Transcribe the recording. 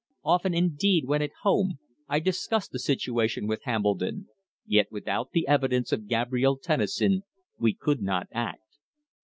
Often indeed when at home I discussed the situation with Hambledon, yet without the evidence of Gabrielle Tennison we could not act.